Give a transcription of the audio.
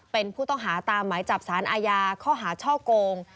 เป็นผู้ต้องหาตามหมายจับสารอาญาข้อหาช่อโกง